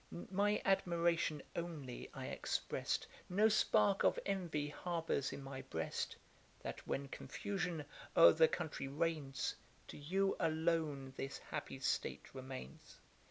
My admiration only I exprest, (No spark of envy harbours in my breast) That, when confusion o'er the country reigns, To you alone this happy state remains.